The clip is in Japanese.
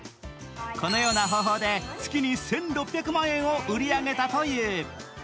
このような方法で月に１６００万円を売り上げたという。